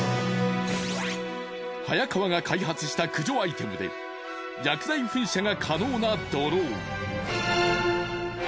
早川が開発した駆除アイテムで薬剤噴射が可能なドローン。